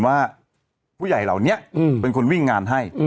ว่าผู้ใหญ่เหล่านี้เป็นคนวิ่งงานให้